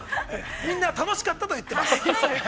みんな楽しかったと言っていました。